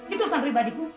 itu urusan pribadiku